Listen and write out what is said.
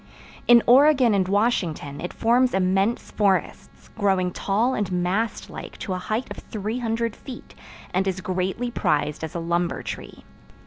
In Oregon and Washington it forms immense forests, growing tall and mast like to a height of 300 feet, and is greatly prized as a lumber tree.